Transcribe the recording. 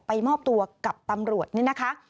มอบตัวกับตำรวจนี่นะคะ